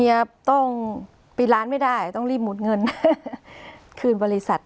ต้องปิดร้านไม่ได้ต้องรีบหมดเงินคืนบริษัท